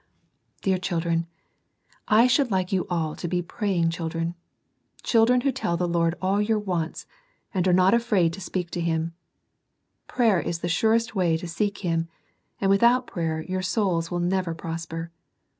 Dear children, I should like you all to be praying children,— children who tell the Lord all your wants, and are not afraid to speak to Him. Prayer is the surest way to seek Him, and without prayer your souls will never prosper.